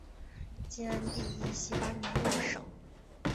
晋安帝义熙八年又省。